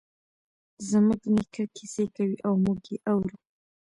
زموږ نیکه کیسې کوی او موږ یی اورو